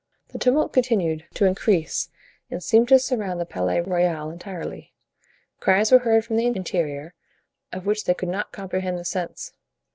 The tumult continued to increase and seemed to surround the Palais Royal entirely. Cries were heard from the interior, of which they could not comprehend the sense.